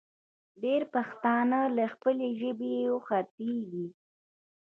ډېر پښتانه له خپلې ژبې اوښتې دي